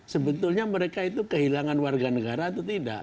sebetulnya mereka itu kehilangan warga negara atau tidak